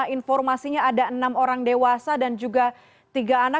informasinya ada enam orang dewasa dan juga tiga anak